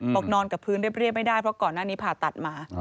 บอกนอนกับพื้นเรียบไม่ได้เพราะก่อนหน้านี้ผ่าตัดมา